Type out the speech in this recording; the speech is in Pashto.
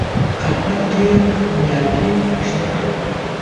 احمد ډېر نيالګي شنه کړل.